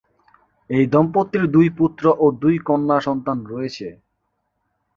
এই দম্পতির দুই পুত্র ও দুই কন্যা সন্তান রয়েছে।